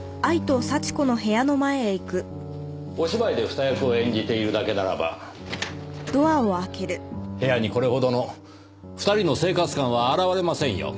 お芝居で二役を演じているだけならば部屋にこれほどの２人の生活感は表れませんよ。